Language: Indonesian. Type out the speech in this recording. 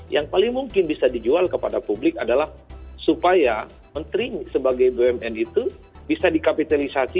yang paling mungkin bisa dijual kepada publik adalah supaya menteri sebagai bumn itu bisa dikapitalisasi